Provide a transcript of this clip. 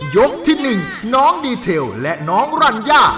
ที่๑น้องดีเทลและน้องรัญญา